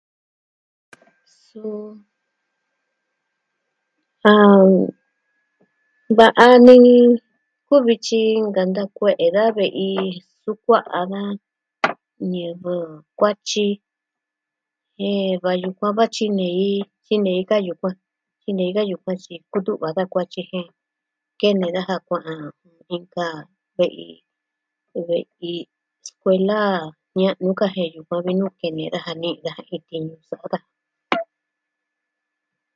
Suu, A... va'a ni kuvi tyi nkanta kue'e da ve'i sukua'a da ñivɨ kuatyi jen va yukuan va tyinei, tyinei ka yukuan, tyinei ka yukuan tyi kutu'va da kuatyi jen... kene daja kua'an, inka ve'i... uh, ve'i skuela ña'nu kaa je yukuan vi nuu kene daja ni'i daja jin tiñu sa'a daja.